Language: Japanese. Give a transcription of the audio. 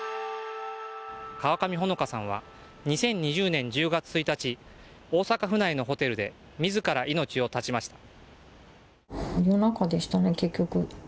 川上穂野香さんは２０２０年１０月１日大阪府内のホテルで自ら命を絶ちました。